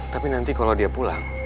tapi nanti kalau dia pulang